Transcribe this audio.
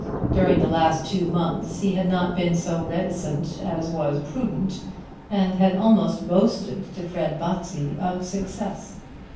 During the last two months he had not been so reticent as was prudent, and had almost boasted to Fred Botsey of success.